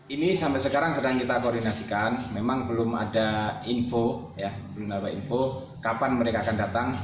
ini sampai sekarang sedang kita koordinasikan memang belum ada info kapan mereka akan datang